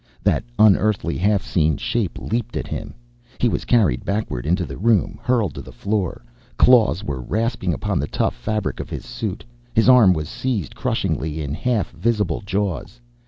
That unearthly, half seen shape leaped at him. He was carried backward into the room, hurled to the floor. Claws were rasping upon the tough fabric of his suit. His arm was seized crushingly in half visible jaws.